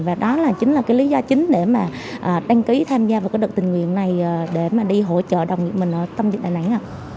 và đó là chính là cái lý do chính để mà đăng ký tham gia vào cái đợt tình nguyện này để mà đi hỗ trợ đồng nghiệp mình ở tâm dịch đà nẵng